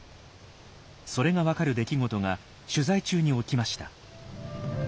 それが分かる出来事が取材中に起きました。